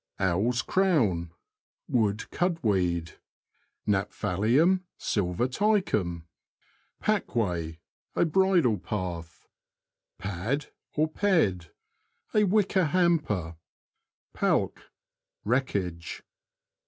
Owl's Crown. — Wood cudweed {Gnaphalium sylvati curn). Packway. — A bridle path. Pad, or Ped. — A wicker hamper. Palk. — Wreckage.